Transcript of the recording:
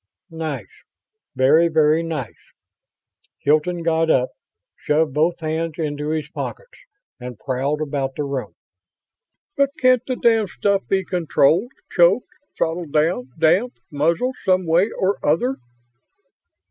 "Nice. Very, very nice." Hilton got up, shoved both hands into his pockets, and prowled about the room. "But can't the damned stuff be controlled? Choked throttled down damped muzzled, some way or other?"